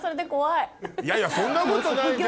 いやいやそんなことないじゃん。